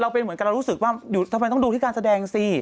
เป็นเหมือนกับเรารู้สึกว่าทำไมต้องดูที่การแสดงสิ